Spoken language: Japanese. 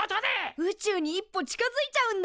宇宙に一歩近づいちゃうんだ！